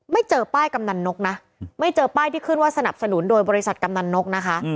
เจอป้ายกำนันนกนะไม่เจอป้ายที่ขึ้นว่าสนับสนุนโดยบริษัทกำนันนกนะคะ